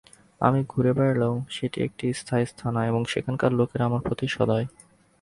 আমি ঘুড়ে বেড়ালেও সেটি একটি স্থায়ী আস্তানা, এবং সেখানকার লোকেরা আমার প্রতি সদয়।